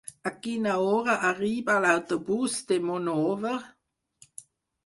A quina hora arriba l'autobús de Monòver?